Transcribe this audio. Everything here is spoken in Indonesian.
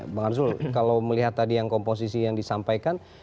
bang arzul kalau melihat tadi yang komposisi yang disampaikan